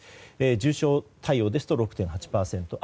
重症対応ですと６．８％。